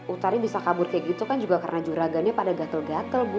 utari bisa kabur kayak gitu kan juga karena juragannya pada gatel gatel bu